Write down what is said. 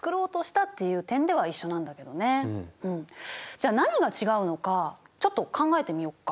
じゃ何が違うのかちょっと考えてみようか。